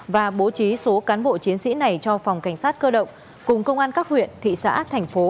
và bố trí số cán bộ chiến sĩ này cho phòng cảnh sát cơ động cùng công an các huyện thị xã thành phố